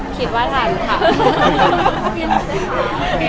คิดว่าทันค่ะ